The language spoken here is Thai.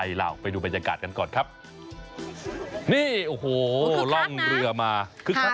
ไทยลาวไปดูบรรยากาศกันก่อนครับนี่โอ้โหล่องเรือมาหารักหรือเปล่า